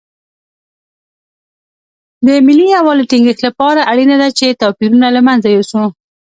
د ملي یووالي ټینګښت لپاره اړینه ده چې توپیرونه له منځه یوسو.